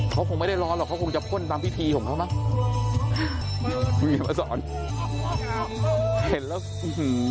เขาคงไม่ได้ร้อนหรอกเขาคงจะพ่นตามพิธีของเขาไหมเห็นแล้วอื้อหือ